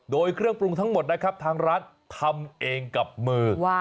โดยเครื่องปรุงทั้งหมดนะครับทางร้านทำเองกับมือ